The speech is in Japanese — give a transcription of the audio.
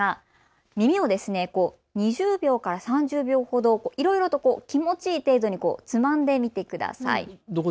耳を２０秒から３０秒ほどいろいろ痛気持ちいい程度につまんでみてください。